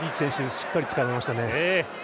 しっかり、つかみましたね。